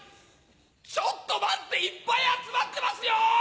「ちょっと待って」いっぱい集まってますよ！